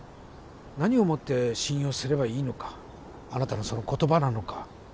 何をもって信用すればいいのかあなたのその言葉なのか